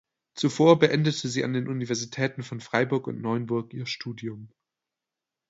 Zuvor beendete sie an den Universitäten von Freiburg und Neuenburg ihr Studium.